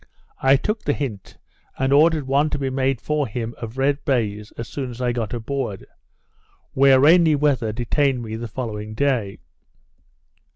I took the hint, and ordered one to be made for him of red baise, as soon as I got aboard; where rainy weather detained me the following day.